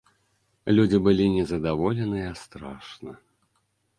Людзі былі незадаволеныя страшна.